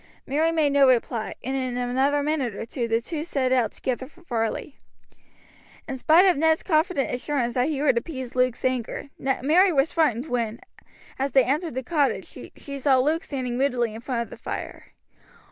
Mary made no reply, and in another minute the two set out together for Varley. In spite of Ned's confident assurance that he would appease Luke's anger, Mary was frightened when, as they entered the cottage, she saw Luke standing moodily in front of the fire.